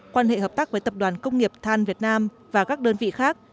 quan hệ hợp tác với tập đoàn công nghiệp than việt nam và các đơn vị khác